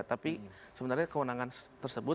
tapi sebenarnya kewenangan tersebut